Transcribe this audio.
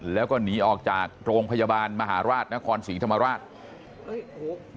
แล้วก็หนีออกจากโรงพยาบาลมหาราชนครศรีธรรมราช